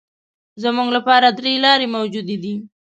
زموږ لپاره درې لارې موجودې دي.